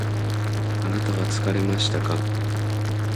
あなたは疲れましたか？